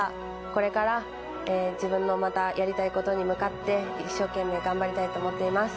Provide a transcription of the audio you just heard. これから自分のまたやりたいことに向かって、一生懸命頑張りたいと思っています。